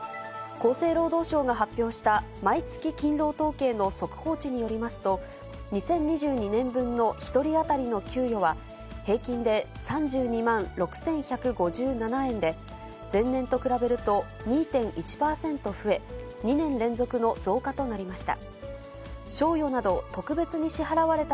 厚生労働省が発表した毎月勤労統計の速報値によりますと、２０２２年分の１人当たりの給与は、平均で３２万６１５７円で、前年と比べると２．１％増え、２年連続の増加となりました。